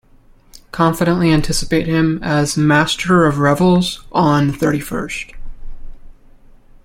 Confidently anticipate him as Master of Revels on thirty-first.